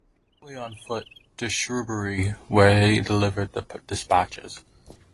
He made his way on foot to Shrewsbury where he delivered the despatches.